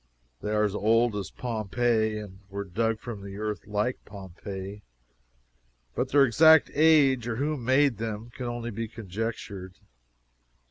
They are as old as Pompeii, were dug from the earth like Pompeii; but their exact age or who made them can only be conjectured.